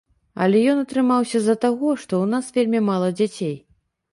Але ён атрымаўся з-за таго, што ў нас вельмі мала дзяцей.